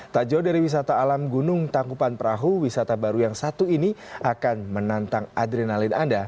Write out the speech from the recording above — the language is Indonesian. tak jauh dari wisata alam gunung tangkupan perahu wisata baru yang satu ini akan menantang adrenalin anda